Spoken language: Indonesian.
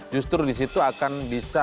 justru disitu akan bisa